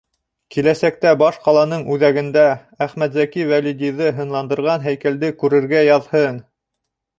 Киләсәктә баш ҡаланың үҙәгендә Әхмәтзәки Вәлидиҙе һынландырған һәйкәлде күрергә яҙһын.